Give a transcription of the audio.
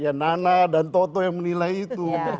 ya nana dan toto yang menilai itu